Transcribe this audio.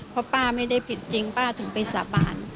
เพราะป้าไม่ได้ผิดจริงป้าถึงไปสาบาน